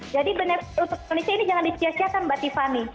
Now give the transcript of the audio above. jadi benar untuk indonesia ini jangan disiasiakan mbak tiffany